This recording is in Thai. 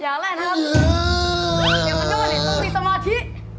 อย่างกันต้อน็ตต้องมีสมาธิ